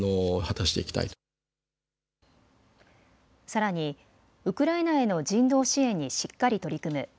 さらに、ウクライナへの人道支援にしっかり取り組む。